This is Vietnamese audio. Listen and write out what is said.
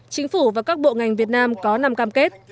chính phủ và các bộ ngành việt nam có năm cam kết